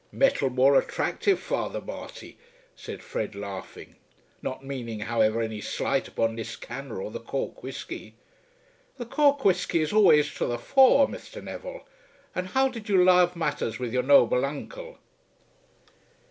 "Metal more attractive, Father Marty," said Fred laughing; "not meaning however any slight upon Liscannor or the Cork whisky." "The Cork whisky is always to the fore, Mr. Neville. And how did you lave matters with your noble uncle?"